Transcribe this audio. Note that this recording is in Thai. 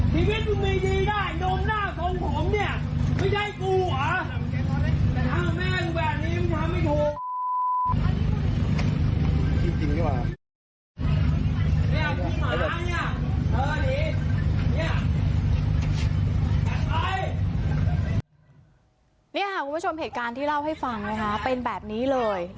นี่ค่ะคุณผู้ชมเหตุการณ์ที่เล่าให้ฟังนะคะเป็นแบบนี้เลย